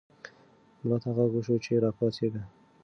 ملا ته غږ وشو چې راپاڅېږه.